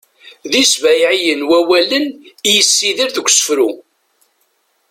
d isbayɛiyen wawalen i yessidir deg usefru